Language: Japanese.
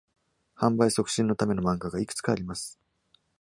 販売促進のための漫画がいくつかあります。